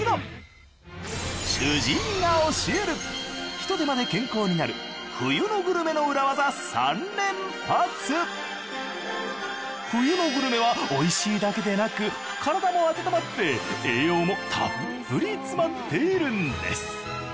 主治医が教える冬のグルメはおいしいだけでなく体も温まって栄養もたっぷり詰まっているんです。